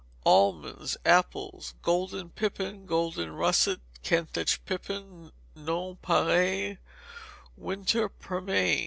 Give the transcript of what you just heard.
Almonds. Apples: Golden pippin, golden russet, Kentish pippin, nonpareil, winter pearmain.